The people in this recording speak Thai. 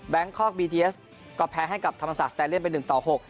แบงค์คอร์กบีทีเอสก็แพ้ให้กับธรรมศาสตร์สแตนเลียนเป็นหนึ่งต่อหก